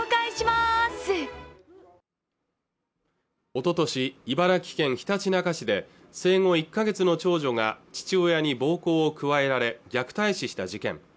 おととし茨城県ひたちなか市で生後１か月の長女が父親に暴行を加えられ虐待死した事件